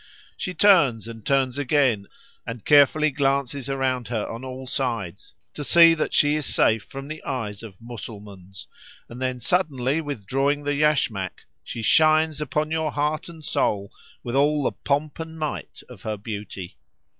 She turns, and turns again, and carefully glances around her on all sides, to see that she is safe from the eyes of Mussulmans, and then suddenly withdrawing the yashmak, she shines upon your heart and soul with all the pomp and might of her beauty.